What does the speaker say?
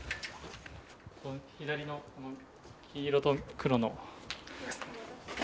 左の黄色と黒の。